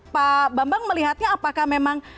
pak bambang melihatnya apakah memang